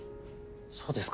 そうですか。